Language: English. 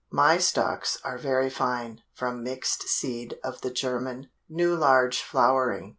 My Stocks are very fine, from mixed seed of the German, new large flowering.